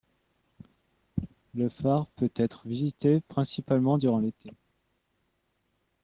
Le phare peut être visité, principalement durant l'été.